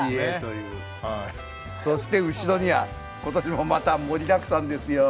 そして後ろには今年もまた盛りだくさんですよ。